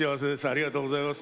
ありがとうございます。